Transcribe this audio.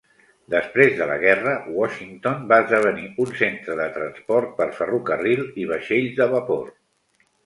Després de la guerra, Washington va esdevenir un centre de transport per ferrocarril i vaixells de vapor.